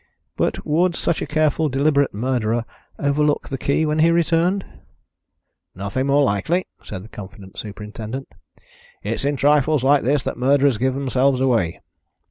"But would such a careful deliberate murderer overlook the key when he returned?" "Nothing more likely," said the confident superintendent. "It's in trifles like this that murderers give themselves away.